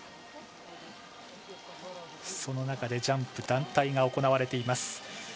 その中でジャンプ団体が行われています。